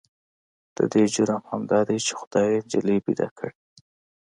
د دې جرم همدا دی چې خدای يې نجلې پيدا کړې.